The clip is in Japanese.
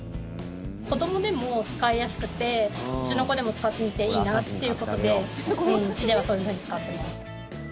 子どもでも使いやすくてうちの子でも使ってみていいなということで、うちではそういうふうに使っています。